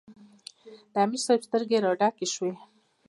د امیر صېب سترګې راډکې شوې ـ